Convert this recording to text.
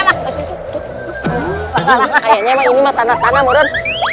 adiknya ini mah tanah murun